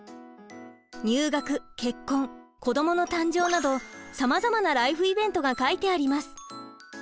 入学結婚子どもの誕生などさまざまなライフイベントが書いてあります。